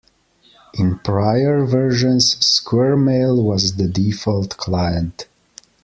In prior versions SquirrelMail was the default client.